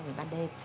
với ban đêm